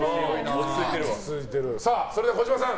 それでは児嶋さん